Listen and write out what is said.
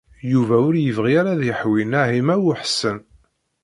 Yuba ur yebɣi ara ad yeḥwi Naɛima u Ḥsen.